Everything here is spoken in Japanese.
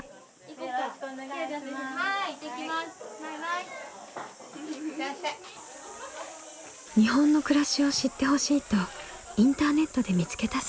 日本の暮らしを知ってほしいとインターネットで見つけたそうです。